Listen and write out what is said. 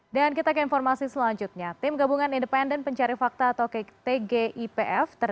dan kita ke informasi selanjutnya tim gabungan independen pencari fakta atau tgipf